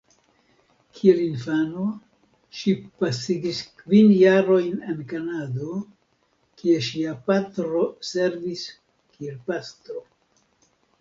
Kiel infano ŝi pasigis kvin jarojn en Kanado, kie ŝia patro servis kiel pastro.